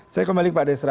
saya kembali ke pak desra